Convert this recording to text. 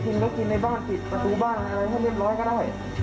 ครับเนอะเดี๋ยวจะให้ผมเรียกของศูนย์มาเร็ว